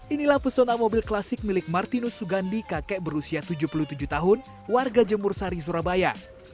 inilah pesona mobil klasik milik martinus sugandi kakek berusia tujuh puluh tujuh tahun warga jemur sari surabaya